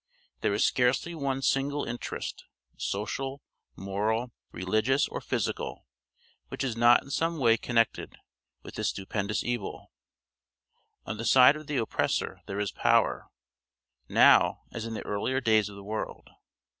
There is scarcely one single interest, social, moral, religious, or physical, which is not in some way connected with this stupendous evil. On the side of the oppressor there is power, now as in the earlier days of the world.